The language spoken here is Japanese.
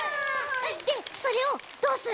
でそれをどうすんの？